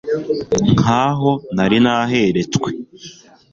nkaho nari naheretswe